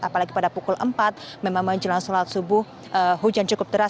apalagi pada pukul empat memang menjelang sholat subuh hujan cukup deras